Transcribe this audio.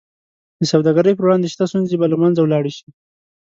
د سوداګرۍ پر وړاندې شته ستونزې به له منځه ولاړې شي.